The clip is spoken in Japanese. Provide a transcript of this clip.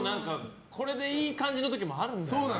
これでいい感じの時もあるんだよね。